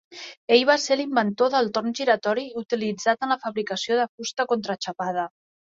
Ell va ser l'inventor del torn giratori utilitzat en la fabricació de fusta contraxapada.